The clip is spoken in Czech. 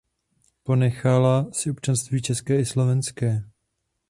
Ponechala si občanství české i slovenské.